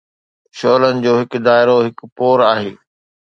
شعلن جو هر دائرو هڪ ڀور هو